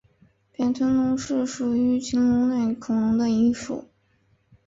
扁臀龙属是禽龙类恐龙的一属。